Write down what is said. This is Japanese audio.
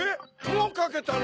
もうかけたの？